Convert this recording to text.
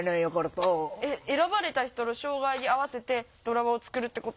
選ばれた人の障害に合わせてドラマを作るってこと？